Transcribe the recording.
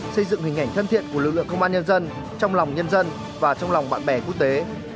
xây dựng hình ảnh thân thiện của lực lượng công an nhân dân trong lòng nhân dân và trong lòng bạn bè quốc tế